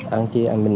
ăn chi ăn mình